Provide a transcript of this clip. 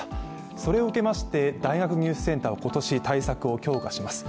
それを受けまして、大学入試センターは今年、対策を強化します。